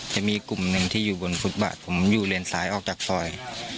จะมีกลุ่มหนึ่งที่อยู่บนฟุตบาทผมอยู่เลนซ้ายออกจากซอย